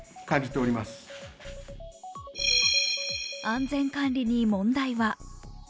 安全管理に問題は？